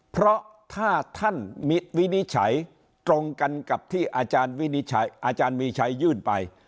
เพราะถ้าท่านมิตรวินิชัยตรงกันกับที่อาจารย์วินิชัยอาจารย์วินิชัยยื่นไป